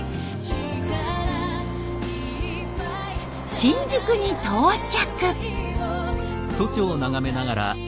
新宿に到着。